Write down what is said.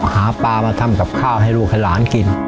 หาปลามาทำกับข้าวให้ลูกให้หลานกิน